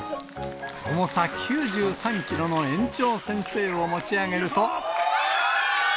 重さ９３キロの園長先生を持ち上げると。